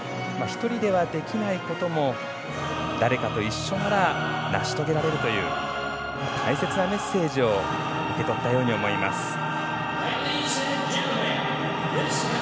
１人ではできないことも誰かと一緒なら成し遂げられるという大切なメッセージを受け取ったように思います。